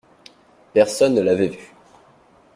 Personne ne l’avait vu.